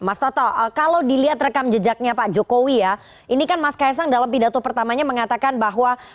mas toto kalau dilihat rekam jejaknya pak jokowi ya ini kan mas kaisang dalam pidato pertamanya mengatakan bahwa